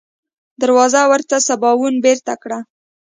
دروازه ورته سباوون بېرته کړه.